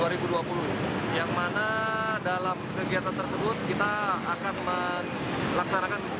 yang mana dalam kegiatan tersebut kita akan melaksanakan